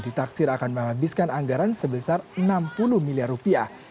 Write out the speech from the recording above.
ditaksir akan menghabiskan anggaran sebesar enam puluh miliar rupiah